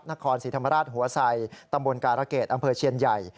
นครศรีธรรมราชหัวไสตำบลการะเกดอำเภอเชียนใหญ่